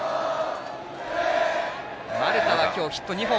丸田は今日ヒット２本。